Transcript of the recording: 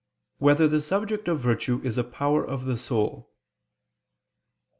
1] Whether the Subject of Virtue Is a Power of the Soul?